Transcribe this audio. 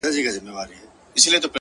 • چاته يادي سي كيسې په خـامـوشۍ كــي؛